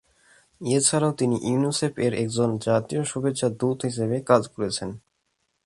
এছাড়াও তিনি ইউনিসেফ এর একজন জাতীয় শুভেচ্ছা দূত হিসেবে কাজ করছেন।